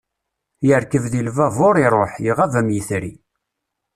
Yerkeb di lbabur, iruḥ, iɣab am yetri.